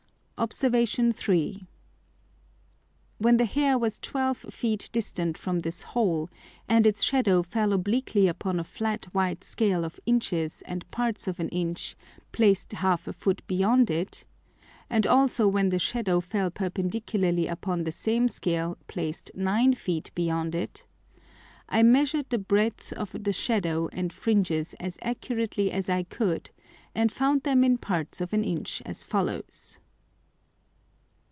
Obs. 3. When the Hair was twelve Feet distant from this Hole, and its Shadow fell obliquely upon a flat white Scale of Inches and Parts of an Inch placed half a Foot beyond it, and also when the Shadow fell perpendicularly upon the same Scale placed nine Feet beyond it; I measured the breadth of the Shadow and Fringes as accurately as I could, and found them in Parts of an Inch as follows.